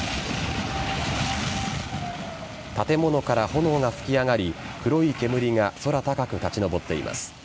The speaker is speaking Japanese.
建物から炎が噴き上がり黒い煙が空高く立ち上っています。